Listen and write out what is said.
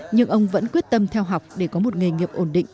nhưng ông vẫn quyết tâm theo học để có một nghề nghiệp ổn định